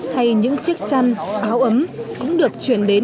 hay những chiếc chăn áo ấm cũng được chuyển đến